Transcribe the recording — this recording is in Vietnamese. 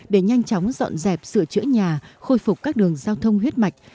để nhanh chóng dọn dẹp sửa chữa nhà khôi phục các đường giao thông huyết mạch